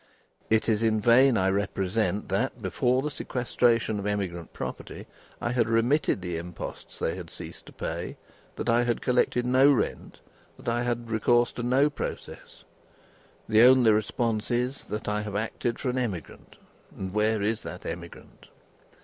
It is in vain I represent that, before the sequestration of emigrant property, I had remitted the imposts they had ceased to pay; that I had collected no rent; that I had had recourse to no process. The only response is, that I have acted for an emigrant, and where is that emigrant?